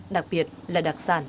đặc biệt là đặc sản